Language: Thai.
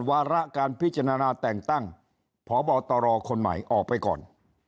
วาระการพิจารณาแต่งตั้งพบตรคนใหม่ออกไปก่อน